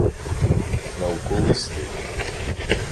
Науковий стиль